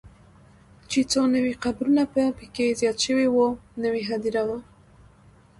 چې څو نوي قبرونه به پکې زیات شوي وو، نوې هدیره وه.